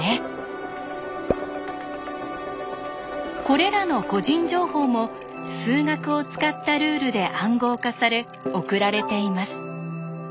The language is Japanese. これらの個人情報も数学を使ったルールで暗号化され送られています。